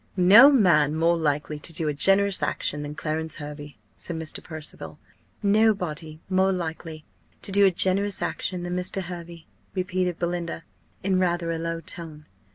"No man more likely to do a generous action than Clarence Hervey," said Mr. Percival. "Nobody more likely to do a generous action than Mr. Hervey," repeated Belinda, in rather a low tone.